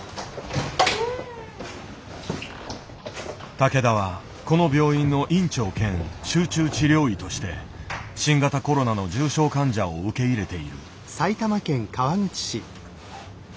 竹田はこの病院の院長兼集中治療医として新型コロナの重症患者を受け入れている。